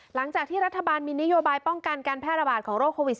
หลังจากที่รัฐบาลมีนโยบายป้องกันการแพร่ระบาดของโรคโควิด๑๙